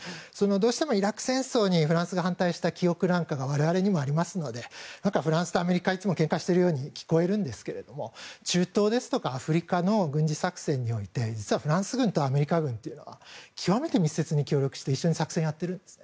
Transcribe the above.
どうしてもイラク戦争にフランスが反対した記憶などが我々にもありますのでフランスとアメリカはいつもけんかしているように聞こえるんですけど中東ですとかアフリカの軍事作戦において実はフランス軍とアメリカ軍は極めて密接に協力して一緒に作戦をやっているんです。